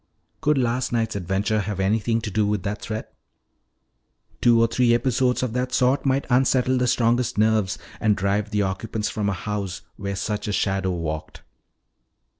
Could last night's adventure have had anything to do with that threat? Two or three episodes of that sort might unsettle the strongest nerves and drive the occupants from a house where such a shadow walked.